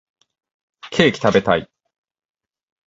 ケーキ食べたい